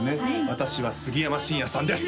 私は杉山真也さんです！